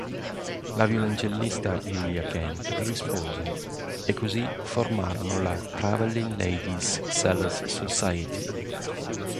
La violoncellista Julia Kent rispose e così formarono la "Traveling Ladies' Cello Society".